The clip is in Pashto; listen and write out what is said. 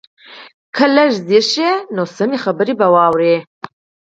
که لږ ځير شو نو سمې خبرې به واورو.